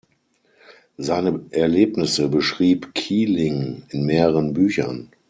Seine Erlebnisse beschrieb Kieling in mehreren Büchern.